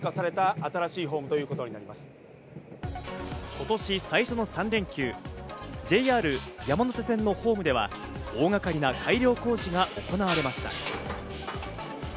今年最初の３連休、ＪＲ山手線のホームでは大掛かりな改良工事が行われました。